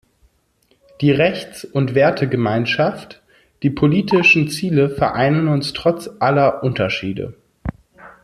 Die Rechts- und Wertegemeinschaft, die politischen Ziele vereinen uns trotz aller Unterschiede.